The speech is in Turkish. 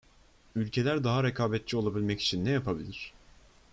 Ülkeler daha rekabetçi olabilmek için ne yapabilir?